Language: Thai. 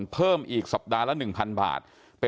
จะไม่มีวันท้อเถยหรือท้อแท้